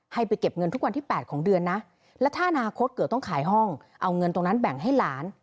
ให้ไปเก็บเงินทุกวันที่๘ของเดือนนะ